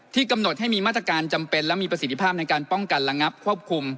กำหนดให้มีมาตรการจำเป็นและมีประสิทธิภาพในการป้องกันระงับควบคุม